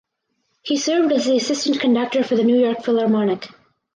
He served as the Assistant Conductor for the New York Philharmonic.